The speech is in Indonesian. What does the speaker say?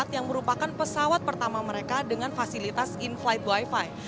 yang merupakan pesawat pertama mereka dengan fasilitas in flight wifi